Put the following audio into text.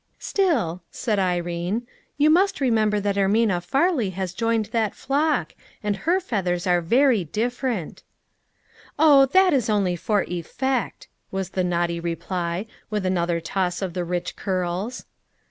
"Still," said Irene, "you must remember that Ermina Farley has joined that flock ; and her feathers are very different." "Oh! that is only for effect," was the naughty reply, with another toss of the rich curls.